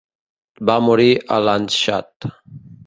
Va morir a Landshut.